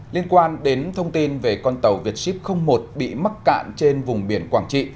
liên quan đến thông tin về con tàu vietship một bị mắc cạn trên vùng biển quảng trị